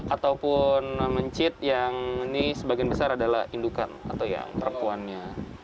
ataupun mencit yang ini sebagian besar adalah indukan atau yang perempuannya